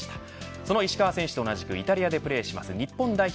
その石川選手と同じくイタリアでプレーする日本代表